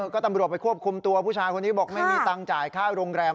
ก็ตำรวจไปควบคุมตัวผู้ชายคนนี้บอกไม่มีตังค์จ่ายค่าโรงแรม